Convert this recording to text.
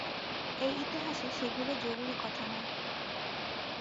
এই ইতিহাসে সেগুলো জরুরি কথা নয়।